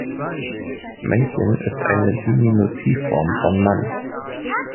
Männchen ist eine Diminutivform von Mann.